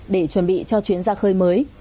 để chuẩn bị cho chuyến ra khơi mới